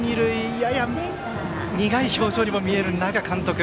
やや苦い表情にも見える那賀監督。